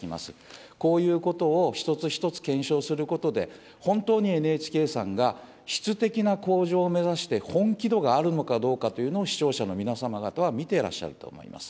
こういうことを一つ一つ検証することで、本当にＮＨＫさんが質的な向上を目指して、本気度があるのかどうかというのを、視聴者の皆様方は見てらっしゃると思います。